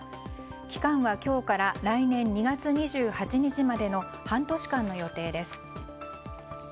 期間は今日から来年２月２８日までの半年間の予定です。